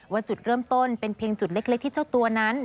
จุดเริ่มต้นเป็นเพียงจุดเล็กที่เจ้าตัวนั้น